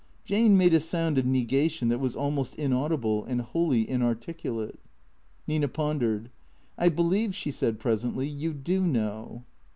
Jane made a sound of negation that was almost inaudible, and wholly inarticulate. Nina pondered. " I believe," she said presently, " you do know."